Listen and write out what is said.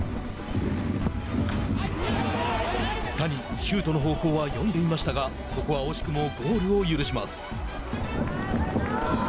谷、シュートの方向は読んでいましたがここは惜しくもゴールを許します。